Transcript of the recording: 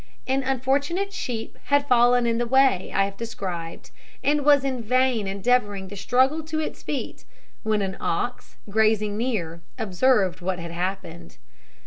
An unfortunate sheep had fallen in the way I have described, and was in vain endeavouring to struggle to its feet, when an ox, grazing near, observed what had happened.